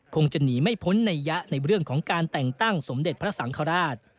คงจะหนีไม่พ้นในยะในเรื่องของการแต่งตั้งสมเด็จพระสังฆราช